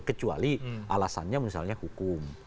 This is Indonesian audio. kecuali alasannya misalnya hukum